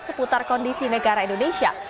seputar kondisi negara indonesia